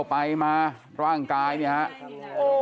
น่าไปว่านว่านว่านว่าน